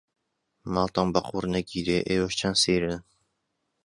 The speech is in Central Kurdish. ماڵتان بە قوڕ نەگیرێ ئێوەش چەند سەیرن.